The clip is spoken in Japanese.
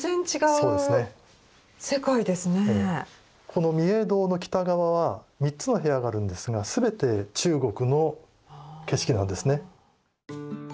この御影堂の北側は３つの部屋があるんですが全て中国の景色なんですね。